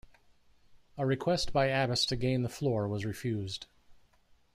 A request by Abbas to gain the floor was refused.